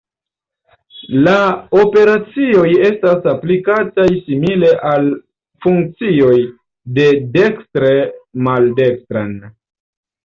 La operacioj estas aplikataj simile al funkcioj de dekstre maldekstren.